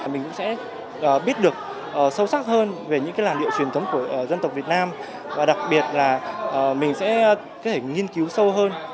mình cũng sẽ biết được sâu sắc hơn về những cái làn điệu truyền thống của dân tộc việt nam và đặc biệt là mình sẽ có thể nghiên cứu sâu hơn